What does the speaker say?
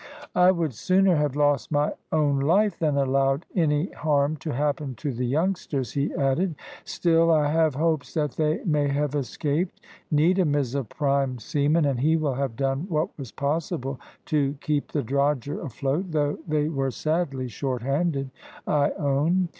"I would sooner have lost my own life than allowed any harm to happen to the youngsters," he added. "Still I have hopes that they may have escaped. Needham is a prime seaman, and he will have done what was possible to keep the drogher afloat, though they were sadly short handed, I own.